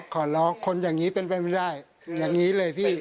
ขอร้องคนอย่างนี้เป็นไปไม่ได้อย่างนี้เลยพี่